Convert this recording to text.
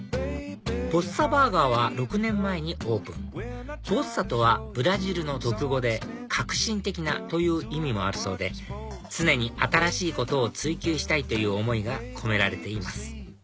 ＢＯＳＳＡＢＵＲＧＥＲは６年前にオープン「ボッサ」とはブラジルの俗語で「革新的な」という意味もあるそうで常に新しいことを追求したいという思いが込められています